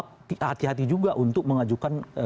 hati hati juga untuk mengajukan